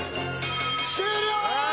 終了！